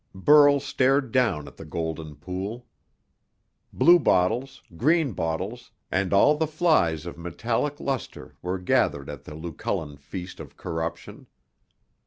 Burl stared down at the golden pool. Bluebottles, greenbottles, and all the flies of metallic luster were gathered at the Lucullan feast of corruption.